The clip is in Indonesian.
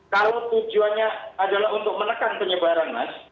kalau tujuannya adalah untuk menekan penyebaran mas